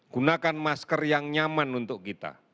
gunakan masker yang nyaman untuk kita